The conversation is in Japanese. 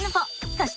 そして。